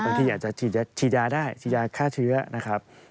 บางทีอาจจะชี้ยาได้ชี้ยาฆ่าเชื้อนะครับ